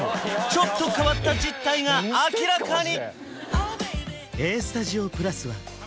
ちょっと変わった実態が明らかに！